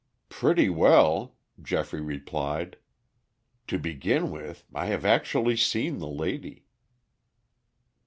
"Pretty well," Geoffrey replied. "To begin with, I have actually seen the lady."